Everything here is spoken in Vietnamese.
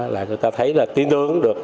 người ta thấy là tin ứng được